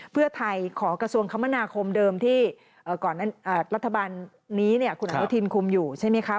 เพื่อไทยขอกระทรวงคมนาคมเดิมที่ก่อนรัฐบาลนี้คุณอนุทินคุมอยู่ใช่ไหมคะ